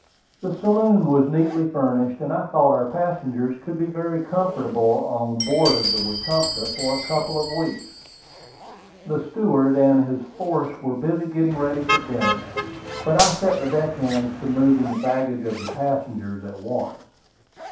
The saloon was neatly furnished, and I thought our passengers could be very comfortable on board of the Wetumpka for a couple of weeks. The steward and his force were busy getting ready for dinner; but I set the deck hands to moving the baggage of the passengers at once.